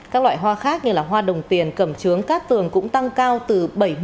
các loại hoa khác như hoa đồng tiền cẩm trướng cát tường cũng tăng cao từ bảy mươi tám mươi